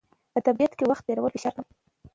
په طبیعت کې وخت تېرول د فشار کموي.